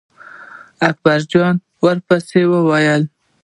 اکبر جان ور پسې و.